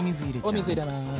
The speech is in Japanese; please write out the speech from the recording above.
お水入れます。